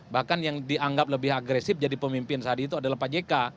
bahkan yang dianggap lebih agresif jadi pemimpin saat itu adalah pak jk